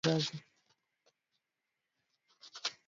viazi lishe husaidia mfumo wa uzazi